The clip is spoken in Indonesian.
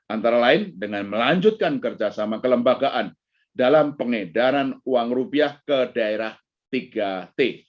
antara lain dengan melanjutkan kerjasama kelembagaan dalam pengedaran uang rupiah ke daerah tiga t